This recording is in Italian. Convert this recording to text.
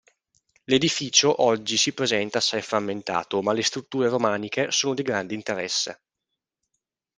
L'edificio oggi si presenta assai frammentato ma le strutture romaniche sono di grande interesse.